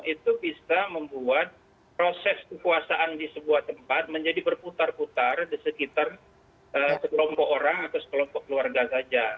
itu bisa membuat proses kekuasaan di sebuah tempat menjadi berputar putar di sekitar sekelompok orang atau sekelompok keluarga saja